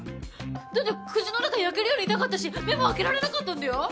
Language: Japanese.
だって口の中焼けるように痛かったし目も開けられなかったんだよ？